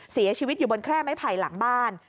เสียชีวิตอยู่บนแคร่ไม้ไผ่หลังบ้าน